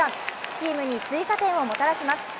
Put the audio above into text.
チームに追加点をもたらします。